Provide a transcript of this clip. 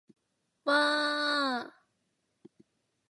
わあーーーーーーーーーー